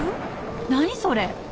何それ。